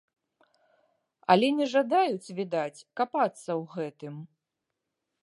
Але не жадаюць, відаць, капацца ў гэтым.